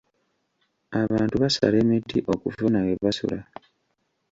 Abantu basala emiti okufuna we basula.